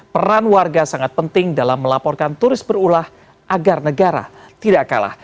peran warga sangat penting dalam melaporkan turis berulah agar negara tidak kalah